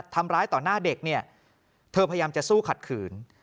ทำร้ายต่อหน้าเด็กเนี่ยเธอพยายามจะสู้ขัดขืน